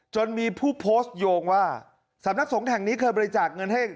จนมีผู้โพสต์โยงว่าสำนักสงฆ์แห่งนี้เคยบริจาคเงินให้